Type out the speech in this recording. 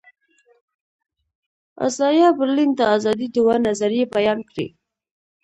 ازایا برلین د آزادي دوه نظریې بیان کړې.